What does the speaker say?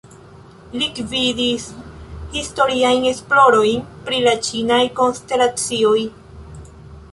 Li gvidis historiajn esplorojn pri la ĉinaj konstelacioj.